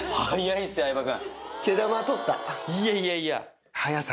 いやいやいや。